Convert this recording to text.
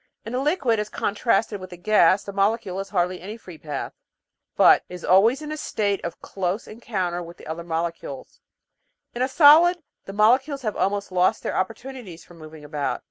In a liquid, as contrasted with a gas, the molecule has hardly any free path, but "is always in a state of close encounter with other molecules." In a solid the molecules have almost lost their opportunities for moving about.